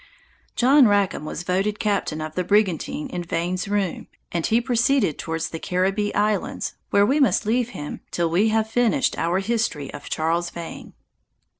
John Rackam was voted captain of the brigantine in Vane's room, and he proceeded towards the Carribbee Islands, where we must leave him, till we have finished our history of Charles Vane.